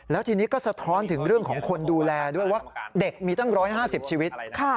แล้วทีนี้ก็สะท้อนถึงเรื่องของคนดูแลด้วยว่าเด็กมีตั้ง๑๕๐ชีวิต